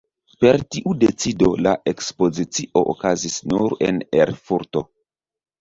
Per tiu decido la ekspozicio okazis nur en Erfurto.